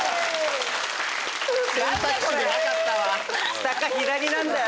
下か左なんだよ